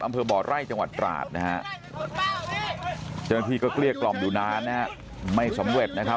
อำเภอบ่อไร่จังหวัดตราดนะฮะเจ้าหน้าที่ก็เกลี้ยกล่อมอยู่นานนะฮะไม่สำเร็จนะครับ